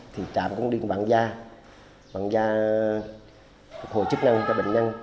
thì trạm cũng đi vạn gia vạn gia phục hồi chức năng cho bệnh nhân